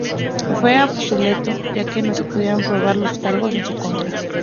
Fue absuelto ya que no se pudieron probar los cargos en su contra.